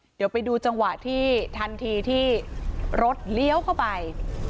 เดี๋ยวไปดูจังหวะที่ทันทีที่รถเลี้ยวเข้าไป